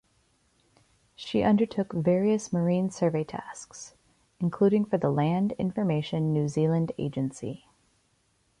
She undertook various marine survey tasks, including for the Land Information New Zealand agency.